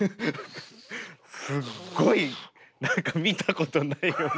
すっごい何か見たことないような。